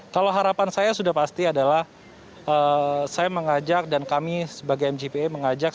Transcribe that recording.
kalau harapan saya sudah pasti adalah saya mengajak dan kami sebagai mgpa mengajak